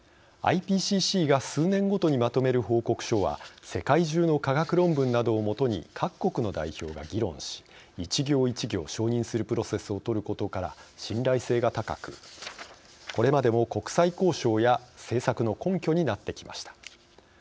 ＩＰＣＣが数年ごとにまとめる報告書は世界中の科学論文などをもとに各国の代表が議論し１行１行承認するプロセスをとることから信頼性が高くこれまでも国際交渉や政策の根拠になってきました。